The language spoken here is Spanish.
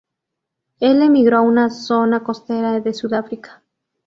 El emigró a una zona costera de Sudáfrica.